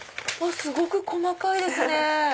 すごく細かいですね。